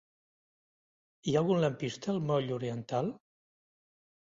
Hi ha algun lampista al moll Oriental?